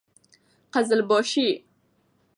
قـــزلــباشــــــــــي